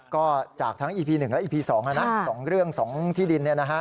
ก็จากทั้งอีพีหนึ่งและอีพีสองสองเรื่องสองที่ดิน